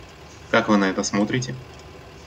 Как Вы на это смотрите?